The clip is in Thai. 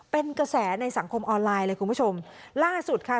เป็นกระแสในสังคมออนไลน์เลยคุณผู้ชมล่าสุดค่ะ